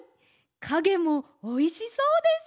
かげもおいしそうです！